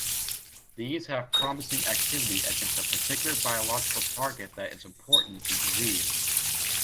These have promising activity against a particular biological target that is important in disease.